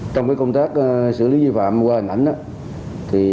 trong công tác xử lý vi phạm qua hình ảnh